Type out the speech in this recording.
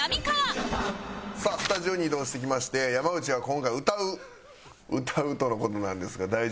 さあスタジオに移動してきまして山内は今回歌う歌うとの事なんですが大丈夫なのか？